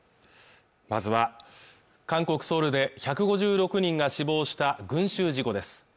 まずは韓国ソウルで１５６人が死亡した群集事故です